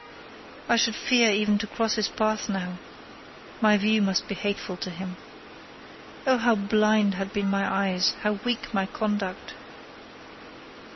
I should fear even to cross his path now: my view must be hateful to him. Oh, how blind had been my eyes! How weak my conduct!